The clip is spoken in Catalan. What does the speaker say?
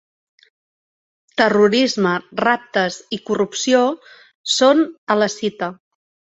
Terrorisme, raptes i corrupció són a la cita.